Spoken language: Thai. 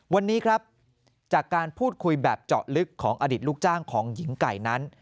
วันนี้ครับจากการพูดคุยแบบเจาะลึกของอดีตลูกจ้างของหญิงไก่นั้น